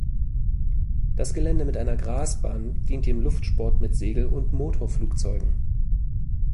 Das Gelände mit einer Grasbahn dient dem Luftsport mit Segel- und Motorflugzeugen.